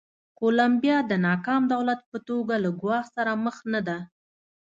کولمبیا د ناکام دولت په توګه له ګواښ سره مخ نه ده.